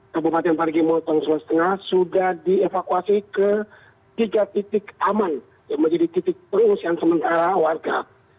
kabupaten parigimotong sulawesi tengah sudah dievakuasi ke tiga titik aman yang menjadi titik pengungsian sementara warga